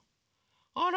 あら。